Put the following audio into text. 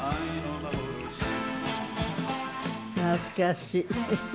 懐かしい。